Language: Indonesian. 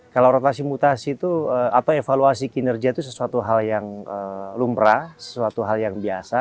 kalau rotasi mutasi itu atau evaluasi kinerja itu sesuatu hal yang lumrah sesuatu hal yang biasa